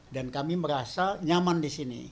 dan kami merasa nyaman di sini